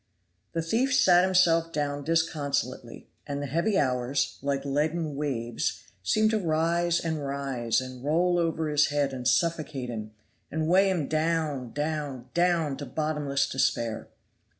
The thief sat himself down disconsolately, and the heavy hours, like leaden waves, seemed to rise and rise, and roll over his head and suffocate him, and weigh him down, down, down to bottomless despair.